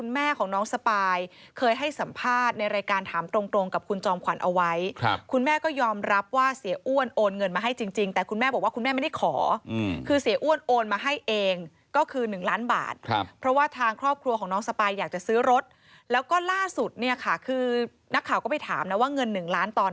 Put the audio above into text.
แม่ของน้องสปายเคยให้สัมภาษณ์ในรายการถามตรงกับคุณจอมขวัญเอาไว้คุณแม่ก็ยอมรับว่าเสียอ้วนโอนเงินมาให้จริงแต่คุณแม่บอกว่าคุณแม่ไม่ได้ขอคือเสียอ้วนโอนมาให้เองก็คือ๑ล้านบาทครับเพราะว่าทางครอบครัวของน้องสปายอยากจะซื้อรถแล้วก็ล่าสุดเนี่ยค่ะคือนักข่าวก็ไปถามนะว่าเงิน๑ล้านตอน